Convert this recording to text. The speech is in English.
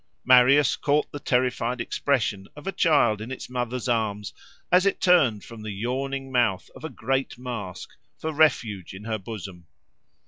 Marius caught the terrified expression of a child in its mother's arms, as it turned from the yawning mouth of a great mask, for refuge in her bosom.